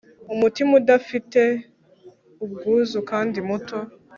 Umutima udafite ubwuzu kandi muto